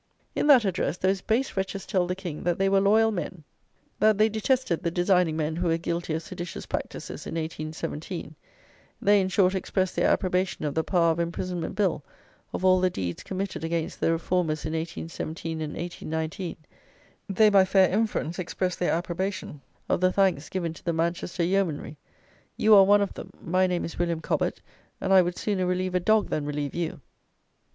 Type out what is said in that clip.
In that address those base wretches tell the King, that they were loyal men: that they detested the designing men who were guilty of seditious practices in 1817; they, in short, express their approbation of the Power of imprisonment Bill, of all the deeds committed against the Reformers in 1817 and 1819; they, by fair inference, express their approbation of the thanks given to the Manchester Yeomanry. You are one of them; my name is William Cobbett, and I would sooner relieve a dog than relieve you."